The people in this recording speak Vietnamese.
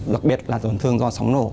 đặc biệt là tổn thương do sóng nổ